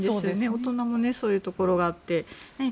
大人もそういうところがあって。